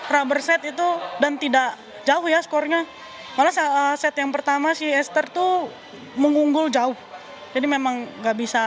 rubber set itu dan tidak jauh ya skornya malah set yang pertama si ester tuh mengunggul jauh jadi memang nggak bisa